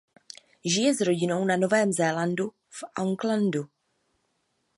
Žije s rodinou na Novém Zélandu v Aucklandu.